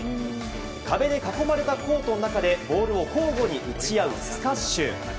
壁で囲まれたコートの中でボールを交互に打ち合うスカッシュ。